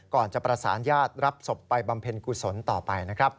ก่อนจะประสานญาติรับศพไปบำเพ็ญกุศลต่อไปนะครับ